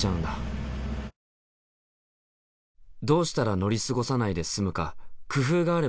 どうしたら乗り過ごさないで済むか工夫があれば教えて下さい。